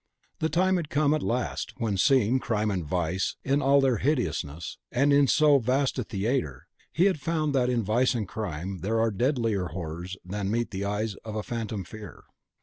The time had come at last, when, seeing crime and vice in all their hideousness, and in so vast a theatre, he had found that in vice and crime there are deadlier horrors than in the eyes of a phantom fear.